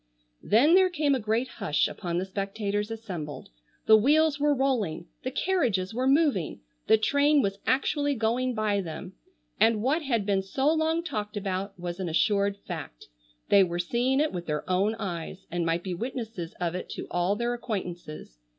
Then there came a great hush upon the spectators assembled. The wheels were rolling, the carriages were moving, the train was actually going by them, and what had been so long talked about was an assured fact. They were seeing it with their own eyes, and might be witnesses of it to all their acquaintances.